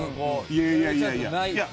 いやいやいやいや。